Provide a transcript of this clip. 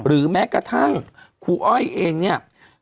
แม้กระทั่งครูอ้อยเองเนี่ย